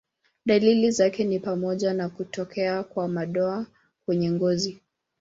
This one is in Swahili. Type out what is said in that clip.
Dalili zake ni pamoja na kutokea kwa madoa kwenye ngozi.